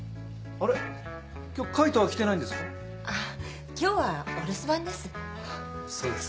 あ今日はお留守番です。